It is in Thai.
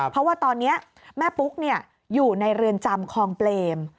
เพราะว่าตอนนี้แม่ปุ๊กอยู่ในเรือนจำคลองเปรม